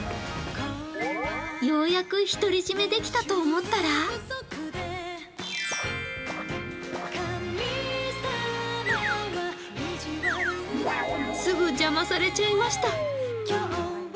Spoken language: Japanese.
ようやく独り占めできたと思ったらすぐ邪魔されちゃいました。